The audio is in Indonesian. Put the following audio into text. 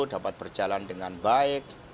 dapat berjalan dengan baik